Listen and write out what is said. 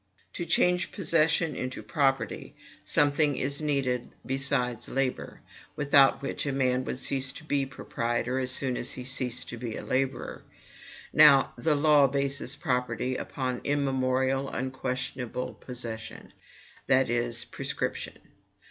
To change possession into property, something is needed besides labor, without which a man would cease to be proprietor as soon as he ceased to be a laborer. Now, the law bases property upon immemorial, unquestionable possession; that is, prescription.